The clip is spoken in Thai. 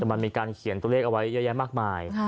มันมีการเขียนตัวเลขเอาไว้เยอะแยะมากมาย